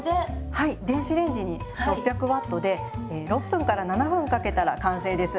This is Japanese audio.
はい電子レンジに６００Ｗでえ６分から７分かけたら完成です。